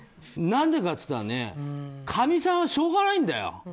何でかといったらかみさんはしょうがないんだよ。